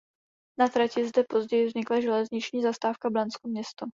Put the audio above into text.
Na trati zde později vznikla železniční zastávka Blansko město.